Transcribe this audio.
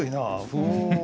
ふん。